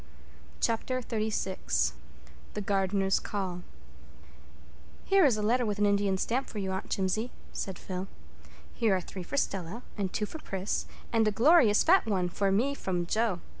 Chapter XXXVI The Gardners'Call "Here is a letter with an Indian stamp for you, Aunt Jimsie," said Phil. "Here are three for Stella, and two for Pris, and a glorious fat one for me from Jo.